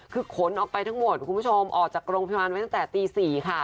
คือขนออกไปทั้งหมดคุณผู้ชมออกจากโรงพยาบาลไว้ตั้งแต่ตี๔ค่ะ